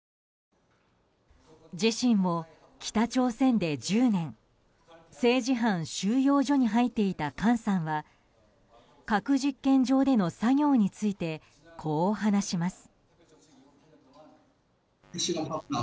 自身も北朝鮮で１０年政治犯収容所に入っていたカンさんは核実験場での作業について、こう話します。